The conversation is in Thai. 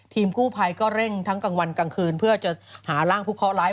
กู้ภัยก็เร่งทั้งกลางวันกลางคืนเพื่อจะหาร่างผู้เคาะร้าย